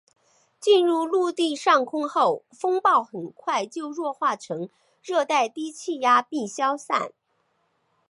进入陆地上空后风暴很快就弱化成热带低气压并消散。